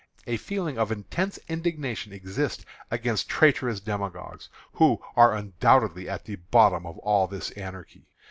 A feeling of intense indignation exists against traitorous demagogues, who are undoubtedly at the bottom of all this anarchy.